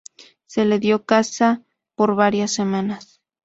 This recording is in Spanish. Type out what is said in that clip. Se le dio caza por varias semanas.